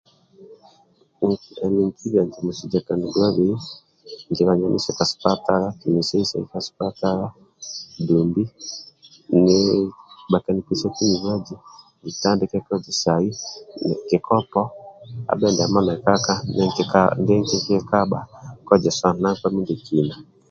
Emi nikiba eti muswija kaniduabei nikiya ka sipatala bhakanipesiaku dumbi bhakanipesiaku mubazi nitandike kozesai kikopo abhe ndiamo nekaka nide kikikozesa na nkpa mindiekina